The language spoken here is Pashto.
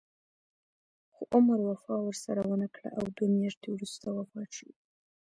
خو عمر وفا ورسره ونه کړه او دوه میاشتې وروسته وفات شو.